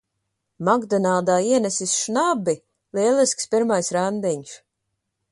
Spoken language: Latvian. "Makdonaldā" ienesis šnabi! Lielisks pirmais randiņš.